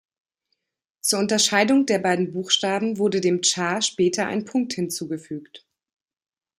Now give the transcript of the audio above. Zur Unterscheidung der beiden Buchstaben wurde dem Cha später ein Punkt hinzugefügt.